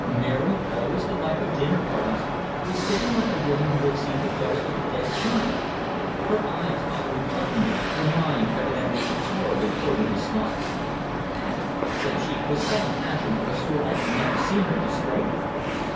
Mary, always the life of dinner parties, was sitting like a woman who had seen the ghost of a dead child; her eyes following Carpenter's, her mind evidently absorbed in probing his thoughts. "Abey!" said she, with sudden passion, of a sort I'd never seen her display before.